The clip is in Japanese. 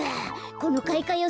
このかいかよ